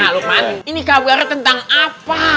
nah lukman ini kabar tentang apa